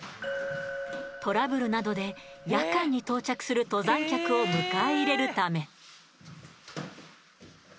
トラブルなどで夜間に到着する登山客を迎え入れるため。